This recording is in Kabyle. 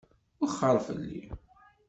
Wexxeṛ fell-i.